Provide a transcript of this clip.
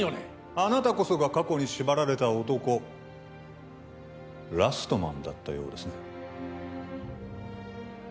あなたこそが過去に縛られた男、ラストマンだったようですね。